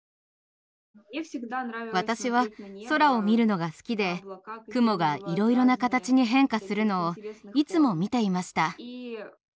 私は空を見るのが好きで雲がいろいろな形に変化するのをいつも見ていました。